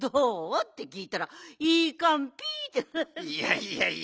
いやいやいや。